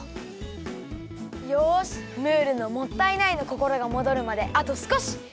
よしムールのもったいないのこころがもどるまであとすこし！